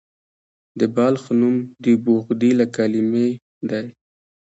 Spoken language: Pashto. د بلخ نوم د بخدي له کلمې دی